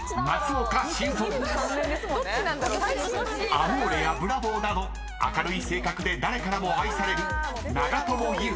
［アモーレやブラボーなど明るい性格で誰からも愛される］